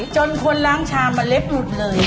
จนคนล้างชามเมล็ดหลุดเลย